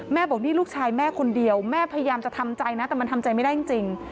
บอกนี่ลูกชายแม่คนเดียวแม่พยายามจะทำใจนะแต่มันทำใจไม่ได้จริง